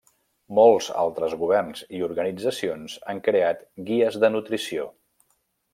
Molts altres governs i organitzacions han creat guies de nutrició.